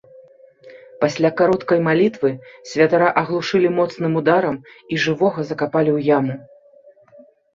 Пасля кароткай малітвы святара аглушылі моцным ударам і жывога закапалі ў яму.